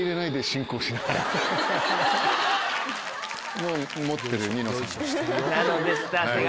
もう持ってるニノさんが。